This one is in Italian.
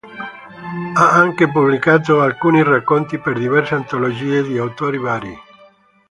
Ha anche pubblicato alcuni racconti per diverse antologie di autori vari.